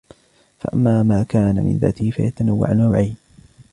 فَأَمَّا مَا كَانَ مِنْ ذَاتِهِ فَيَتَنَوَّعُ نَوْعَيْنِ